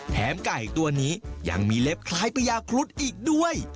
ไก่ตัวนี้ยังมีเล็บคล้ายพญาครุฑอีกด้วย